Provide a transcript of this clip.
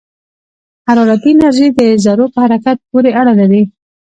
حرارتي انرژي د ذرّو په حرکت پورې اړه لري.